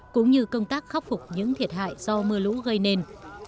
cũng như công tác khắc phục những thiệt hại do mưa lũ gây nên